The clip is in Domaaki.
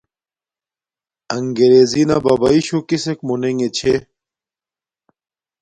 اݣگرݵزݵ نݳ بَبݳئی شُݸ کِسݵک مُنݵݣݺ چھݺ؟